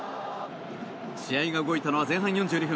試合が動いたのは前半４２分